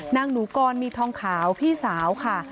นางหนูกรมีทองขาวพี่สาวค่ะ